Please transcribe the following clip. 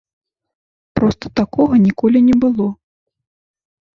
Проста такога ніколі не было.